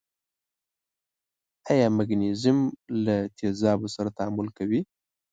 آیا مګنیزیم له تیزابو سره تعامل کوي؟